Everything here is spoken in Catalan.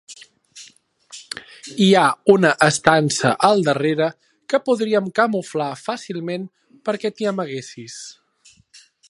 Hi ha una estança al darrere que podríem camuflar fàcilment perquè t'hi amaguessis.